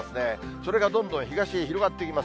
それがどんどん東へ広がっていきます。